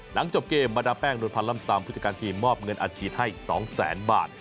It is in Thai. หลังจบเกมบรรดาแป้งโดนพันลำซามผู้จัดการทีมมอบเงินอาจีตให้๒๐๐๐๐๐บาท